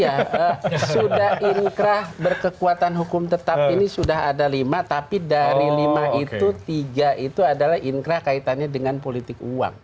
ya sudah inkrah berkekuatan hukum tetap ini sudah ada lima tapi dari lima itu tiga itu adalah inkrah kaitannya dengan politik uang